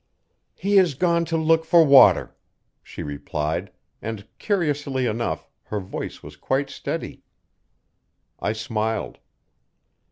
"He is gone to look for water," she replied; and, curiously enough, her voice was quite steady. I smiled.